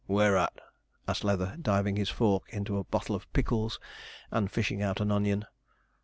'Where at?' asked Leather, diving his fork into a bottle of pickles, and fishing out an onion.